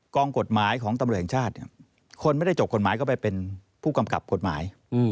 กฎหมายของตำรวจแห่งชาติคนไม่ได้จบกฎหมายก็ไปเป็นผู้กำกับกฎหมาย